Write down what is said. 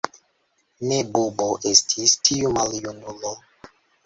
Ne bubo estis, tiu maljunulo.